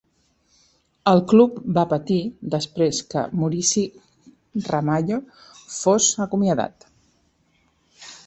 El club va patir després que Muricy Ramalho fos acomiadat.